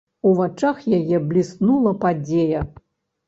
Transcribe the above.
У вачах яе бліснула падзея.